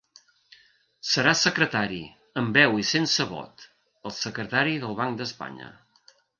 Serà Secretari, amb veu i sense vot, el Secretari del Banc d'Espanya.